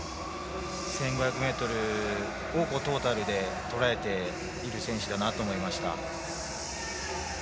１５００ｍをトータルでとらえている選手だなと思いました。